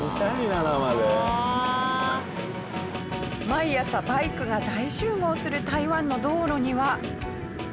毎朝バイクが大集合する台湾の道路には。